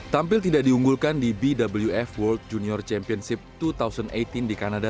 tampil tidak diunggulkan di bwf world junior championship dua ribu delapan belas di kanada